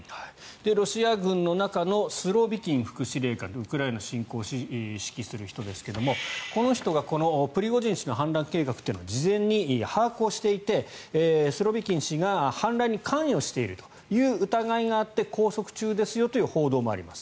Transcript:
ロシア軍の中のスロビキン副司令官ウクライナ侵攻を指示する人ですがこの人がプリゴジン氏の反乱計画を事前に把握していてスロビキン氏が反乱に関与している疑いがあって拘束中ですよという報道もあります。